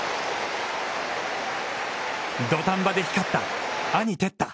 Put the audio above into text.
土壇場で光った兄・哲太。